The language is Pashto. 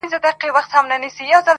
ستا د حُسن د الهام جام یې څښلی,